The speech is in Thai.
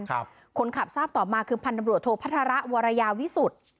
ครับคนขับทราบต่อมาคือพันธบริการโทพธาระวรรยาวิสุทธิ์